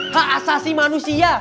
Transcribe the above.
hak asasi manusia